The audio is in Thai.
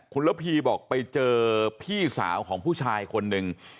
คุณระพีบอกไปเจอพี่สาวของผู้ชายคนหนึ่ง